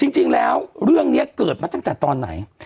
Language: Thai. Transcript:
จริงแล้วเรื่องนี้เกิดมาตั้งแต่ตอนไหน